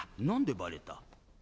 何でバレた？